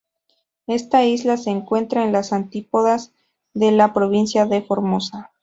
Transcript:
Esta isla se encuentra en las antípodas de la Provincia de Formosa.